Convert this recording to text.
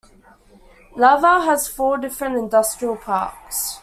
Laval has four different industrial parks.